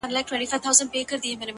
په رڼا كي يې پر زړه ځانمرگى وسي،